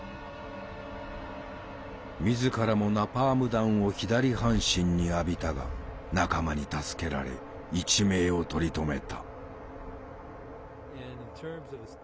自らもナパーム弾を左半身に浴びたが仲間に助けられ一命を取り留めた。